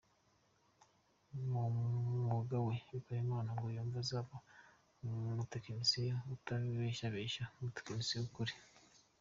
Mu mwuga we, Bikorimana ngo yumva azaba umutekinisiye utabeshyabeshya, umutekinisiye w’ukuri.